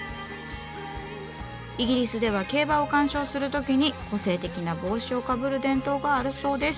イギリスでは競馬を鑑賞するときに個性的な帽子をかぶる伝統があるそうです。